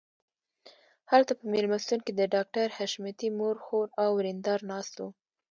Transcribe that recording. هلته په مېلمستون کې د ډاکټر حشمتي مور خور او ورېندار ناست وو